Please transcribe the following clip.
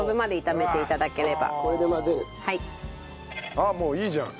あっもういいじゃん。